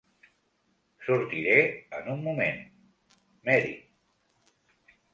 Sortiré en un moment, Mary.